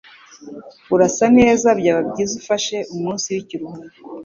Urasa neza. Byaba byiza ufashe umunsi w'ikiruhuko.